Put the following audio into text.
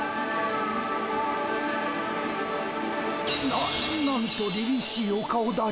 ななんとりりしいお顔だち。